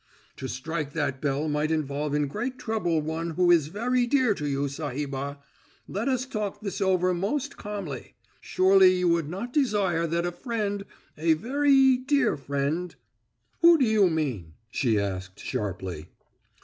"To strike that bell might involve in great trouble one who is veree dear to you, Sahibah. Let us talk this over most calmly. Surely you would not desire that a friend a veree dear friend " "Who do you mean?" she asked sharply.